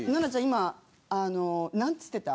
今なんつってた？